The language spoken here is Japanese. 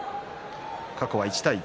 過去は１対１。